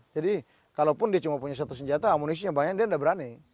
jadi kalaupun dia cuma punya satu senjata amunisinya banyak dia sudah berani